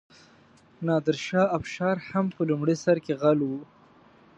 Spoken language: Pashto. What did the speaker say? نادرشاه افشار هم په لومړي سر کې غل و.